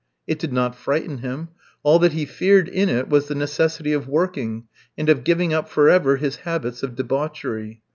It did not frighten him; all that he feared in it was the necessity of working, and of giving up for ever his habits of debauchery.